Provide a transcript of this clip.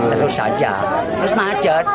terus saja terus macet